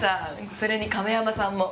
それに亀山さんも。